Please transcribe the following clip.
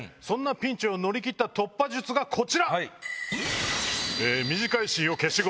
そんなピンチを乗り切った突破術がこちら！